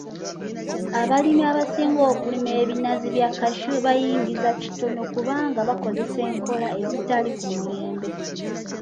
Abalimi abasinga okulima ebinazi bya cashew bayingiza kitono kubanga bakozesa enkola ezitali ku mulembe.